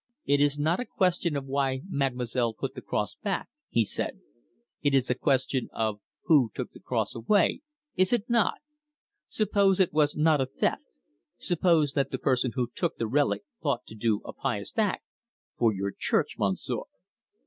"It is not a question of why mademoiselle put the cross back," he said. "It is a question of who took the cross away, is it not? Suppose it was not a theft. Suppose that the person who took the relic thought to do a pious act for your Church, Monsieur?"